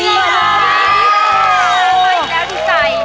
มาอีกแล้วดีใจ